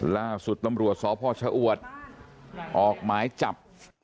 ล่าสุดตำรวจสพชะอวดออกหมายจับ